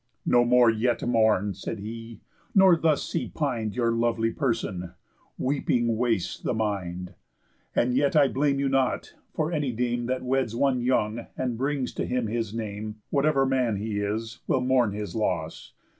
"No more yet mourn," said he, "nor thus see pin'd Your lovely person. Weeping wastes the mind. And yet I blame you not; for any dame That weds one young, and brings to him his name, Whatever man he is, will mourn his loss.